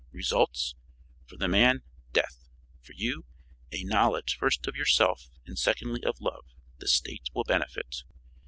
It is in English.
Results? For the man, death; for you, a knowledge first of yourself and, secondly, of love. The State will benefit."